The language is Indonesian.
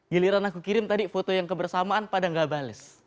giliran aku kirim tadi foto yang kebersamaan pada gak bales